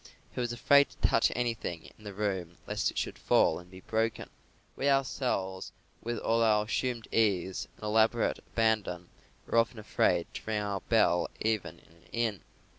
He was afraid to touch anything in the room lest it should fall and be broken. We ourselves, with all our assumed ease and elaborate abandon, are often afraid to ring our bell even in an inn.